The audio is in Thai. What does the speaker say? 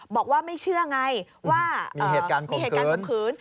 บอกว่าไม่เชื่อไงว่ามีเหตุการณ์ข่มขืน